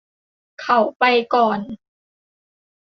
เขาไปก่อน